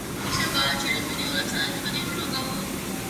ისევ, გააჩერეთ ვიდეო და სცადეთ თქვენ თვითონ გამოიცნოთ.